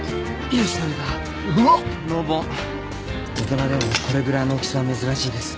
大人でもこれぐらいの大きさは珍しいです。